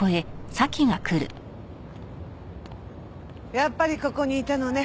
やっぱりここにいたのね。